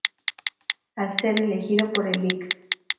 Al ser elegido por el Lic.